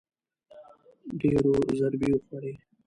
ډېرو ضربې وخوړې